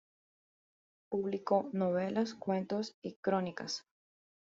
Publicó novelas, cuentos y crónicas.